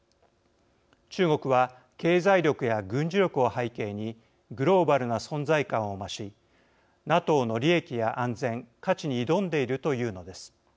中国は経済力や軍事力を背景にグローバルな存在感を増しＮＡＴＯの利益や安全価値に挑んでいるというのです。